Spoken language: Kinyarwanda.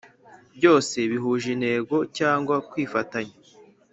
Byose bihuje intego cyangwa kwifatanya